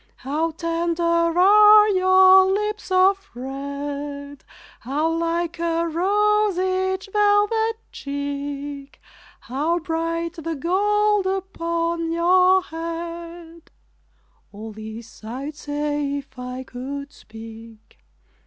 How tender are your lips of red! How like a rose each velvet cheek! How bright the gold upon your head All this I'd say, if I could speak.